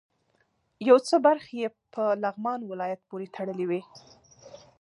یو څه برخې یې په لغمان ولایت پورې تړلې وې.